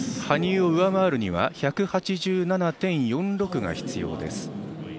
羽生を上回るには１８７．４６が必要です。